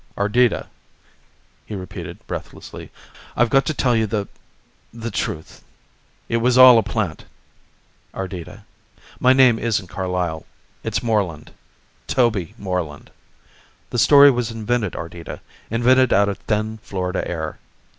"Ardita," he repeated breathlessly, "I've got to tell you the the truth. It was all a plant, Ardita. My name isn't Carlyle. It's Moreland, Toby Moreland. The story was invented, Ardita, invented out of thin Florida air."